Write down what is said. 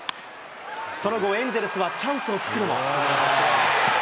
その後、エンゼルスはチャンスを作るも。